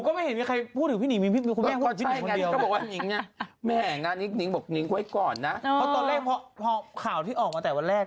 ก็เค้าก็มีการเปิดข้อความของคุณแม่เป๊ย์ปานวาด